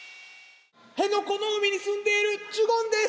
辺野古の海に住んでいるジュゴンです。